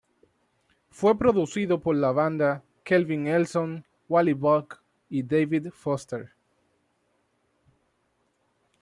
Fue producido por la banda, Kevin Elson, Wally Buck y David Foster.